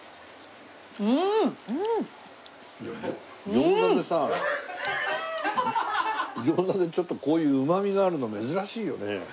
餃子でさ餃子でちょっとこういううまみがあるの珍しいよね。